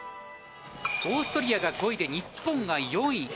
オーストリアが５位で日本が４位。